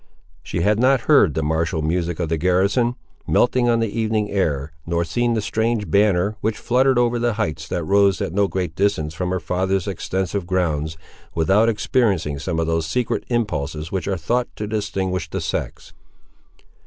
She had not heard the martial music of the garrison, melting on the evening air, nor seen the strange banner, which fluttered over the heights that rose at no great distance from her father's extensive grounds, without experiencing some of those secret impulses which are thought to distinguish the sex.